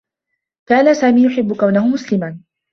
كان سامي يحبّ كونه مسلما.